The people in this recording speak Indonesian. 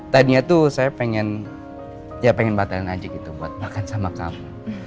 tadinya tuh saya pengen batalin aja gitu buat makan sama kamu